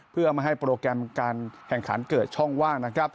เพื่อไม่ให้โปรแกรมการแข่งขันเกิดช่องว่างนะครับ